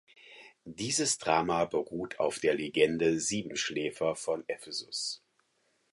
Dieses Drama beruht auf der Legende Sieben Schläfer von Ephesus.